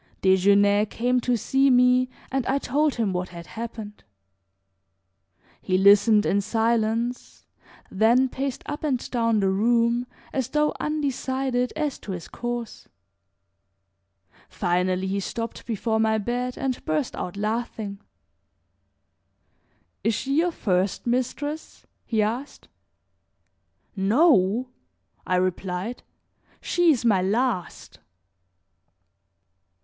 Desgenais came to see me and I told him what had happened. He listened in silence, then paced up and down the room as though undecided as to his course. Finally he stopped before my bed and burst out laughing. "Is she your first mistress?" he asked. "No!" I replied, "she is my last."